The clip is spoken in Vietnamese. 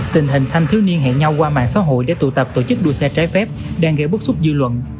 tình hình thanh thiếu niên hẹn nhau qua mạng xã hội để tụ tập tổ chức đua xe trái phép đang gây bức xúc dư luận